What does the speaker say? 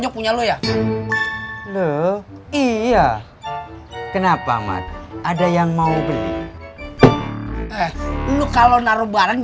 punya anak kembar